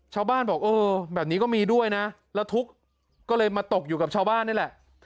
ชาวบ้านบอกเออแบบนี้ก็มีด้วยนะแล้วทุกข์ก็เลยมาตกอยู่กับชาวบ้านนี่แหละ